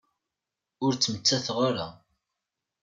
Ur ttmettateɣ ara.